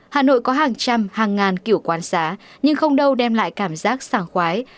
hà nội có hàng trăm hàng ngàn kiểu quan xá nhưng không đâu đem lại cảm giác sàng khoái